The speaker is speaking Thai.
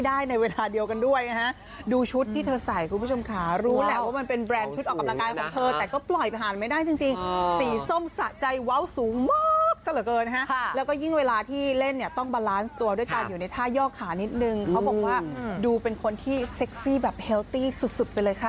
ได้ในเวลาเดียวกันด้วยนะฮะดูชุดที่เธอใส่คุณผู้ชมขารู้แหละว่ามันเป็นแบรนด์ชุดออกกำลังกายของเธอแต่ก็ปล่อยผ่านไม่ได้จริงสีส้มสะใจเว้าสูงมากซะเหลือเกินนะฮะแล้วก็ยิ่งเวลาที่เล่นเนี่ยต้องบาลานซ์ตัวด้วยการอยู่ในท่ายอกขานิดนึงเขาบอกว่าดูเป็นคนที่เซ็กซี่แบบเฮลตี้สุดไปเลยค่ะ